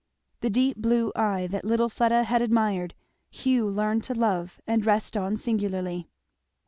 The deep blue eye that little Fleda had admired Hugh learned to love and rest on singularly.